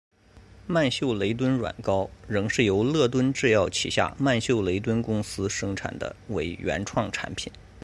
曼秀雷敦软膏仍是由乐敦制药旗下曼秀雷敦公司生产的为原创产品。